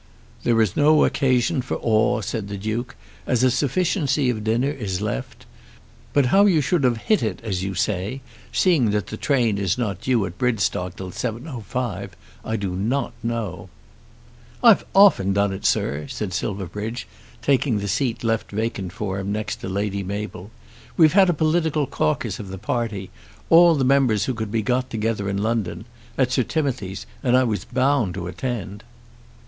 "There is no occasion for awe," said the Duke, "as a sufficiency of dinner is left. But how you should have hit it, as you say, seeing that the train is not due at Bridstock till 7.05, I do not know." "I've done it often, sir," said Silverbridge, taking the seat left vacant for him next to Lady Mabel. "We've had a political caucus of the party, all the members who could be got together in London, at Sir Timothy's, and I was bound to attend."